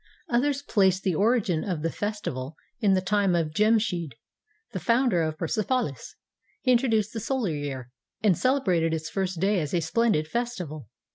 Others place the origin of the festival in the time of Jemshid, the founder of Persepo lis. He introduced the solar year, and celebrated its first day as a splendid festival.